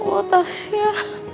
ya allah tasya